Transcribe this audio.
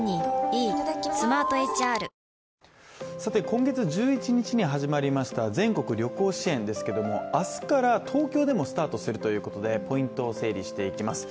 今月１１日に始まりました全国旅行支援ですけれども、明日から東京でもスタートするということで、ポイントを整理していきます。